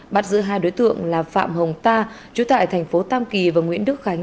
bắt giữ hai đối tượng là phạm hồng ta chú tại thành phố tam kỳ và nguyễn đức khánh